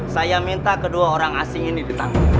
saya minta kedua orang asing ini ditangkap